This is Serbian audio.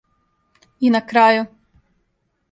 И на крају!